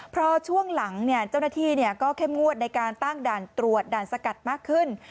พอช่วงหลังเจ้าหน้าที่ก็เข้มงวดในการตั้งด่านตรวจด่านสกัดมากขึ้น